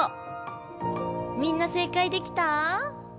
みんな正解できた？